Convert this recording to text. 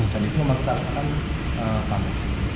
dan itu memang kita akan panas